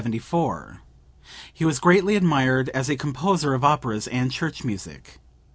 He was greatly admired as a composer of operas and church music.